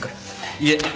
いえ。